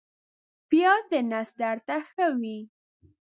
پیاز د نس درد ته ښه وي